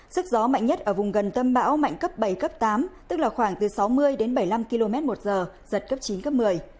sức gió mạnh nhất ở vùng gần tâm bão mạnh cấp bảy cấp tám tức là khoảng từ sáu mươi đến bảy mươi năm km một giờ giật cấp chín cấp một mươi